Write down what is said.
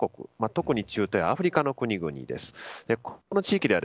特に中東やアフリカの国々です。